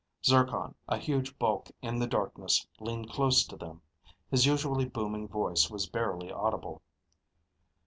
Zircon, a huge bulk in the darkness, leaned close to them. His usually booming voice was barely audible.